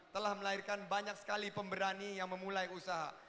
telah melahirkan banyak sekali pemberani yang memulai usaha